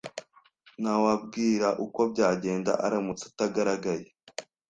Ntawabwira uko byagenda aramutse atagaragaye.